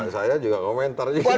saya juga komentar juga